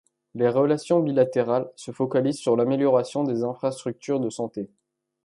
Les relations bilatérales se focalisent sur l'amélioration des infrastructures de santé.